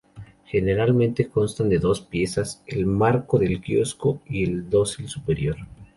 Generalmente constan de dos piezas, el marco del quiosco y el dosel superior.